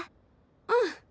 うん。